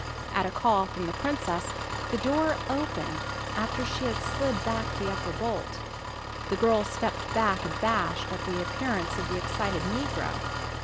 At a call from the Princess, the door opened after she had slid back the upper bolt. The girl stepped back abashed at the appearance of the excited negro.